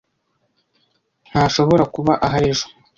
Ntashobora kuba ahari ejo.